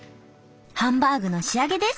ハンバーグの仕上げです。